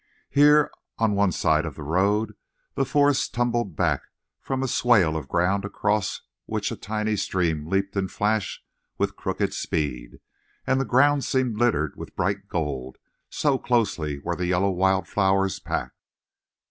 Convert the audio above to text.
Here, on one side of the road, the forest tumbled back from a swale of ground across which a tiny stream leaped and flashed with crooked speed, and the ground seemed littered with bright gold, so closely were the yellow wild flowers packed.